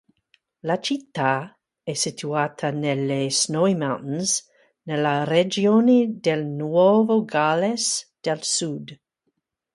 La città è situata nelle Snowy Mountains nella regione del Nuovo Galles del Sud.